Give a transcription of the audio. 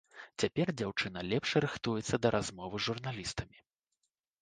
Цяпер дзяўчына лепш рыхтуецца да размовы з журналістамі.